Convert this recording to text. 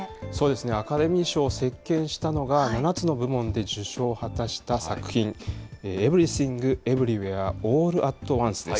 アカデミー賞を席けんしたのが、７つの部門で受賞を果たした作品、エブリシング・エブリウェア・オール・アット・ワンスです。